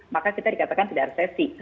maka kita dikatakan tidak resesi